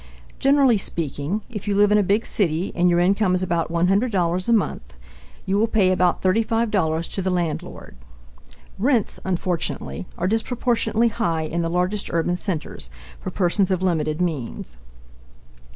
Generally speaking, if you live in a big city and your income is about $100 a month, you will pay about $35 to the landlord. Rents, unfortunately, are disproportionately high in the largest urban centers, for persons of limited means.